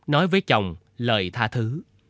nói với chồng lời tha thứ